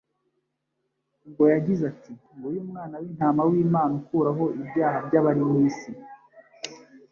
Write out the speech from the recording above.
ubwo yagize ati: “ nguyu Umwana w’intama w’Imana ukuraho ibyaha by’abari mu isi.”